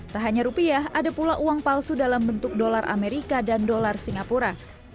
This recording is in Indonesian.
tak hanya rupiah ada pula uang palsu dalam bentuk dolar amerika dan dolar singapura